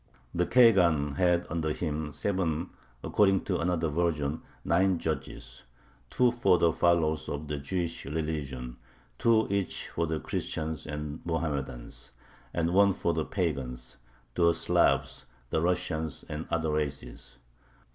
The khagan had under him seven (according to another version, nine) judges: two for the followers of the Jewish religion, two each for the Christians and Mohammedans, and one for the pagans the Slavs, the Russians, and other races.